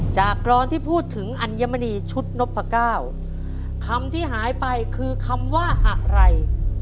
กรอนที่พูดถึงอัญมณีชุดนพก้าวคำที่หายไปคือคำว่าอะไร